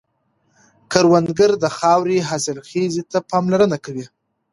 کروندګر د خاورې حاصلخېزي ته پاملرنه کوي